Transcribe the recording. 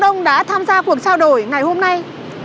cảm ơn các bạn đã tham gia cuộc trao đổi ngày hôm nay